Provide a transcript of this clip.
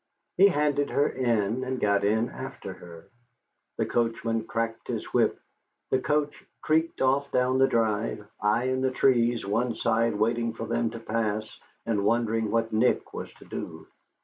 He handed her in, and got in after her. The coachman cracked his whip, the coach creaked off down the drive, I in the trees one side waiting for them to pass, and wondering what Nick was to do.